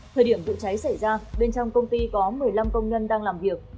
thời điểm vụ cháy xảy ra bên trong công ty có một mươi năm công nhân đang làm việc